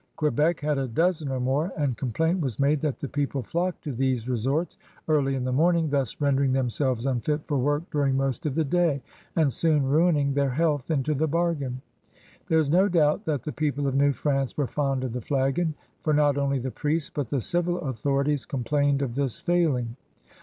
Quebec had a dozen or more, and complaint was made that the people flocked to these resorts early in the morning, thus rendering themselves unfit for work during most of the day, and soon ruining their health into the bargain. There is no doubt that the people of New Prance were fond of the flagon, for not only the priests but the civil authorities complained of this failing.